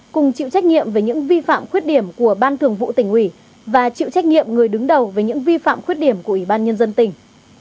cùng chịu trách nhiệm về những vi phạm khuyết điểm của ban thường vụ tỉnh ủy và chịu trách nhiệm người đứng đầu về những vi phạm khuyết điểm của ủy ban nhân dân tỉnh